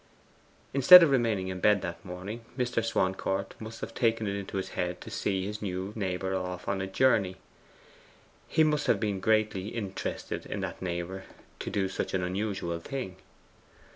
Instead of remaining in bed that morning Mr. Swancourt must have taken it into his head to see his new neighbour off on a journey. He must have been greatly interested in that neighbour to do such an unusual thing.